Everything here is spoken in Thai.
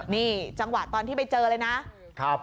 นี่จังหวะตอนที่ไปเจอเลยนะ